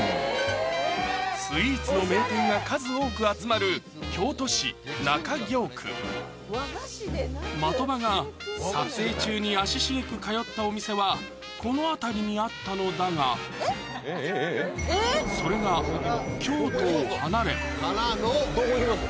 スイーツの名店が数多く集まる的場が撮影中に足しげく通ったお店はこの辺りにあったのだがそれが京都を離れからのどこ行きます？